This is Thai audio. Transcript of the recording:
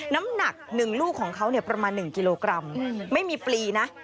น้ำหนัก๑ลูกของเขาเนี่ยประมาณ๑กิโลกรัมไม่มีปลีนะ